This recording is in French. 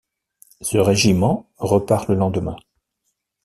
Ce régiment repart le lendemain.